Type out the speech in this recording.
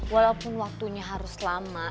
walaupun waktunya harus lama